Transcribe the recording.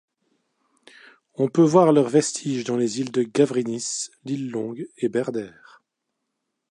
On peut voir leurs vestiges dans les îles de Gavrinis, l'Ile Longue et Berder.